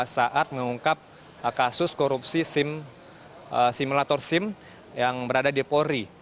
saat mengungkap kasus korupsi simulator sim yang berada di polri